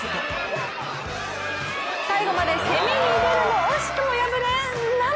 最後まで攻めに出るも惜しくも敗れ、涙。